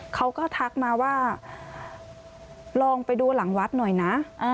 ทักมาว่าลองไปดูหลังวัดหน่อยนะ